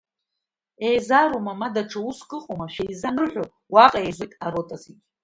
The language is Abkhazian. Еизароума, ма даҽа уск ыҟоума, шәеиза анырҳәо, уаҟа еизоит арота зегьы.